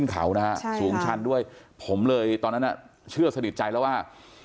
เขานะฮะสูงชันด้วยผมเลยตอนนั้นเชื่อสนิทใจแล้วว่า